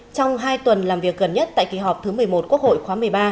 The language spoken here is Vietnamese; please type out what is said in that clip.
trong hai tuần làm việc gần nhất tại kỳ họp thứ một mươi một quốc hội khóa một mươi ba